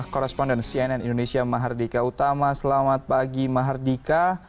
koresponden cnn indonesia mahardika utama selamat pagi mahardika